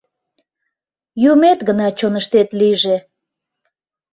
Юмет гына чоныштет лийже...